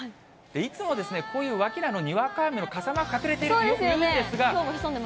いつもこういうにわか雨の傘マーク、隠れていると言うんですが。